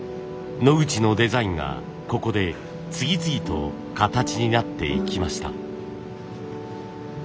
ノグチのデザインがここで次々と形になっていきました。